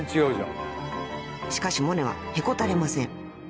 ［しかしモネはへこたれません］